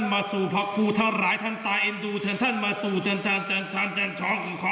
อมณโม